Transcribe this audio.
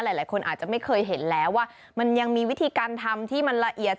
หลายคนอาจจะไม่เคยเห็นแล้วว่ามันยังมีวิธีการทำที่มันละเอียด